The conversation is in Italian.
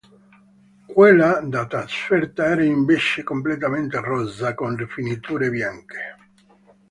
Quella da trasferta era invece completamente rossa, con rifiniture bianche.